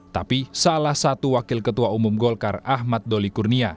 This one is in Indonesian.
tapi salah satu wakil ketua umum golkar ahmad doli kurnia